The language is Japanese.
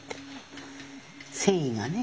繊維がね。